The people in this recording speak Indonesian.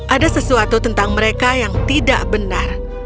ada sesuatu tentang mereka yang tidak benar